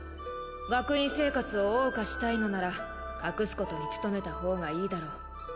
学院生活を謳歌したいのなら隠すことに努めた方がいいだろう